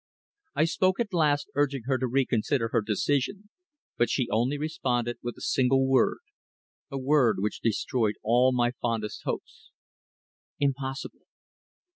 I spoke at last, urging her to reconsider her decision, but she only responded with a single word, a word which destroyed all my fondest hopes "Impossible."